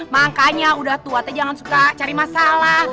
makanya udah tua tapi jangan suka cari masalah